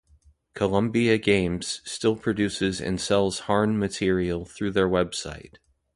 Columbia Games still produces and sells Harn material through their website.